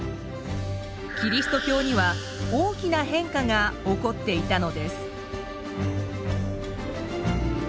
キリスト教には大きな変化が起こっていたのです。